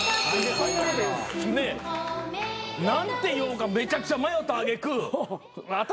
何て言おうかめちゃくちゃ迷った揚げ句頭